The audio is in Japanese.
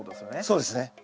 そうですね。